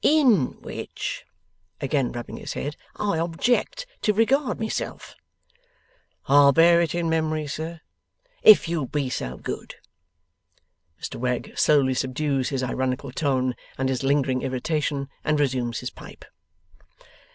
IN which,' again rubbing his head, 'I object to regard myself.' 'I'll bear it in memory, sir.' 'If you'll be so good.' Mr Wegg slowly subdues his ironical tone and his lingering irritation, and resumes his pipe.